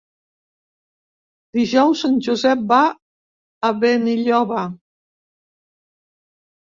Dijous en Josep va a Benilloba.